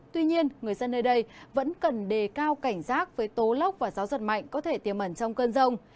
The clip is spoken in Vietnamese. tuy nhiên người dân nơi đây vẫn cần đề cao cảnh giác với tố lóc và gió giật mạnh có thể tìm ẩn trong cơn rông